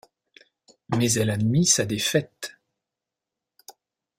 Mais elle admit sa défaite.